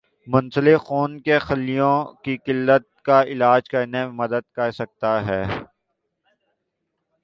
منسلک خون کے خلیوں کی قلت کا علاج کرنے میں مدد کر سکتا ہے